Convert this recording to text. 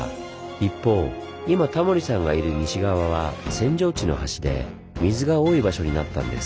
一方今タモリさんがいる西側は扇状地の端で水が多い場所になったんです。